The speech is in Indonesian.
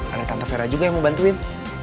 ada tante vera juga yang mau bantuin